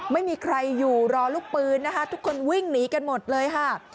ไม่มีใครอยู่รอลูกปืนนะคะทุกคนวิ่งหนีกันหมดเลยค่ะ